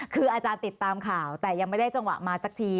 คืออาจารย์ติดตามข่าวแต่ยังไม่ได้จังหวะมาสักที